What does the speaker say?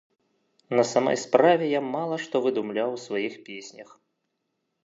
На самай справе, я мала што выдумляў ў сваіх песнях.